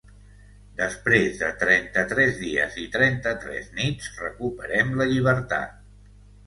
Després de trenta-tres dies i trenta-tres nits recuperem la llibertat.